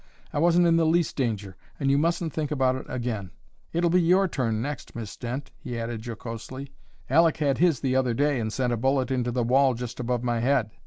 I wasn't in the least danger, and you mustn't think about it again. It'll be your turn next, Miss Dent," he added jocosely. "Aleck had his the other day, and sent a bullet into the wall just above my head."